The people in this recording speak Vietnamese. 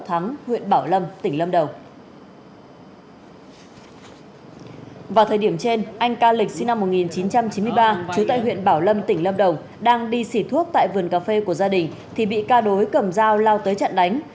anh ca lịch sinh năm một nghìn chín trăm chín mươi ba trú tại huyện bảo lâm tỉnh lâm đồng đang đi xỉ thuốc tại vườn cà phê của gia đình thì bị ca đối cầm dao lao tới chặn đánh